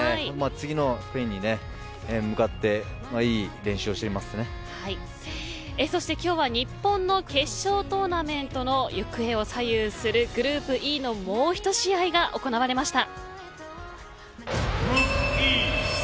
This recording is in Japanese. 次のスペインに向かってそして、今日は日本の決勝トーナメントの行方を左右するグループＥのもう１試合が行われました。